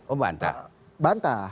oh bantah bantah